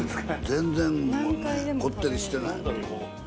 全然こってりしてない。